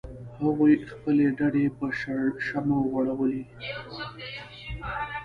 هغوی خپلې ډډې په شړشمو غوړولې